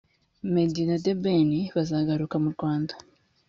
meddy na the ben bazagaruka mu rwanda